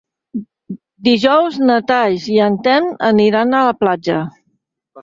Dijous na Thaís i en Telm aniran a la platja.